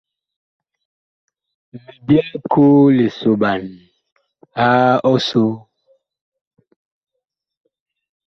Mi byɛɛ koo lisoɓan a ɔsoo.